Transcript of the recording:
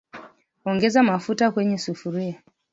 Ongeza mafuta kwenye sufuria